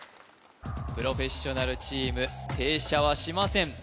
プロフェッショナルチーム停車はしません